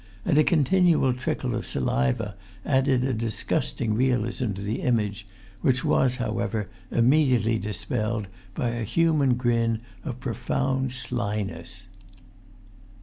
And a continual trickle of saliva added a disgusting realism to the image, which was, however, immediately dispelled by a human grin of profound slyness.